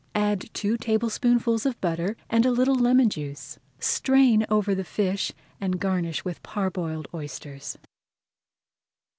Add two tablespoonfuls of butter and a little lemon juice. Strain over the fish and garnish with parboiled oysters.